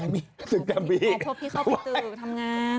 โทษพี่เขาปิดตึกทำงาน